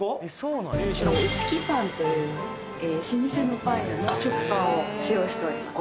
ウチキパンという老舗のパン屋の食パンを使用しております